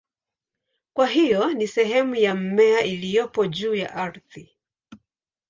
Kwa hiyo ni sehemu ya mmea iliyopo juu ya ardhi.